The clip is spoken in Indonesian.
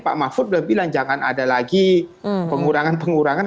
pak mahfud sudah bilang jangan ada lagi pengurangan pengurangan